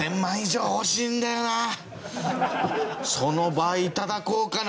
その倍いただこうかな。